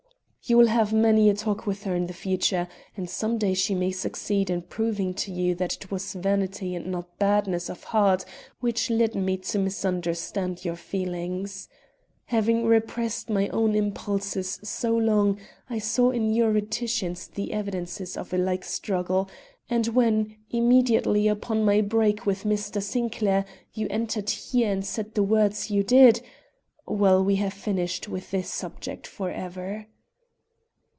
"You will have many a talk with her in the future, and some day she may succeed in proving to you that it was vanity and not badness of heart which led me to misunderstand your feelings. Having repressed my own impulses so long, I saw in your reticence the evidences of a like struggle; and when, immediately upon my break with Mr. Sinclair, you entered here and said the words you did Well, we have finished with this subject for ever.